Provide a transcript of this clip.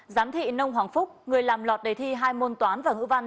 giám thị nông hoàng phúc người làm lọt đề thi hai môn toán và ngữ văn